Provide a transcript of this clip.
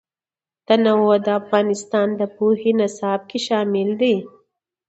تنوع د افغانستان د پوهنې نصاب کې شامل دي.